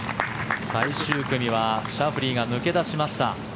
最終組はシャフリーが抜け出しました。